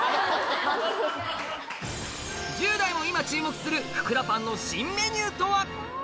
１０代も今注目する福田パンの新メニューとは？